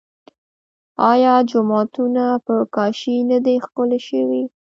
آیا جوماتونه په کاشي نه دي ښکلي شوي؟